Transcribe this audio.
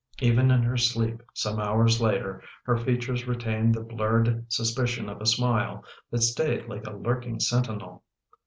Even in her sleep some hours later her features retained the blurred sus picion of a smile that stayed like a lurking sentinel.